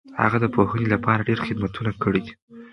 هغه د پوهنې لپاره ډېر خدمتونه کړي دي.